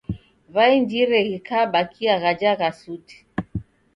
W'ainjire ghikabakia ghaja gha suti.